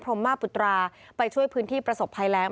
มาปุตราไปช่วยพื้นที่ประสบภัยแรง